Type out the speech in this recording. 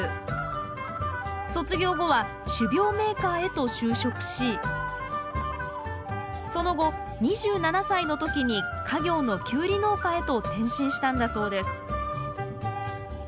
卒業後は種苗メーカーへと就職しその後２７歳の時に家業のキュウリ農家へと転身したんだそうです